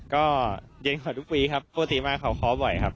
ก็เย็นกว่าทุกปีครับปกติมากเขาขอบ่อยครับ